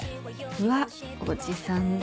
うわおじさんだ。